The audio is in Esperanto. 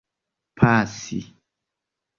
pasi